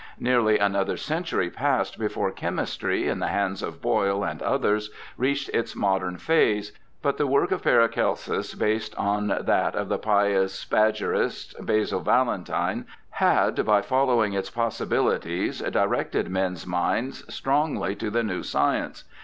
Nearly another century passed before chemistry, in the hands of Boyle and others, reached its modern phase, but the work of Paracelsus, based on that of the ' pious Spagyrist ', Basil Valentine, had by showing its possibilities directed men's minds strongly to the new science.